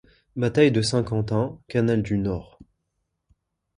Bataille de Saint-Quentin, Canal du Nord.